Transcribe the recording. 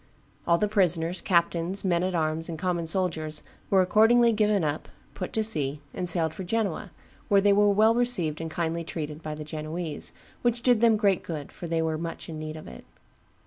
All the prisoners, captains, men at arms, and common soldiers were accordingly given up, put to sea, and sailed for Genoa, where they were well received and kindly treated by the Genoese, which did them great good, for they were much in need of it.